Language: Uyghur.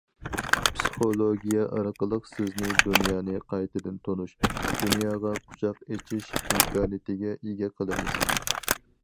پىسخولوگىيە ئارقىلىق سىزنى دۇنيانى قايتىدىن تونۇش، دۇنياغا قۇچاق ئېچىش ئىمكانىيىتىگە ئىگە قىلىمىز.